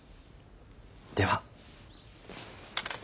では。